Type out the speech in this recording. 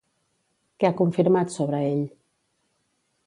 Què ha confirmat sobre ell?